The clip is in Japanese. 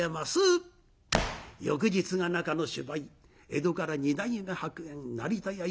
翌日が中の芝居江戸から二代目白猿成田屋